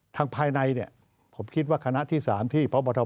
ทางภายในผมคิดว่าคณะที่๓